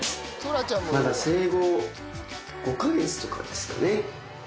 まだ生後５か月とかですかね。